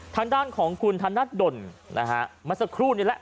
ทางด้านของคุณฐานนัดด่นนะฮะมาสักครู่นี่แหละ